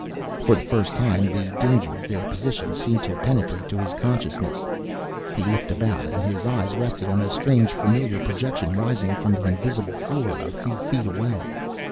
For the first time, the danger of their position seemed to penetrate to his consciousness. He looked about and his eyes rested on a strange familiar projection rising from the invisible floor a few feet away.